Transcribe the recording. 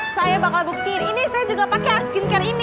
saya bakal buktiin ini saya juga pakai skincare ini